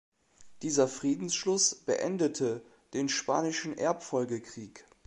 Dieser Friedensschluss beendete den Spanischen Erbfolgekrieg.